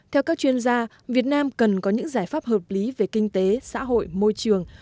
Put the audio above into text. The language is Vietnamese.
theo các chuyên gia việt nam cần có những giải pháp hợp lý về kinh tế xã hội môi trường